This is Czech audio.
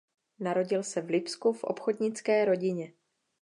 Narodil se v Lipsku v obchodnické rodině.